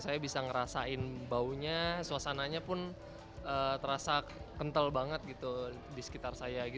saya bisa ngerasain baunya suasananya pun terasa kental banget gitu di sekitar saya